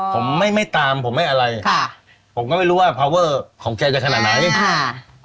ผมไม่ไม่ตามผมไม่อะไรค่ะผมก็ไม่รู้ว่าพาเวอร์ของแกจะขนาดไหนค่ะ